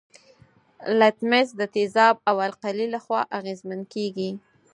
لتمس د تیزاب او القلي له خوا اغیزمن کیږي.